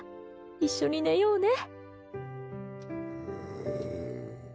一緒に寝ようね。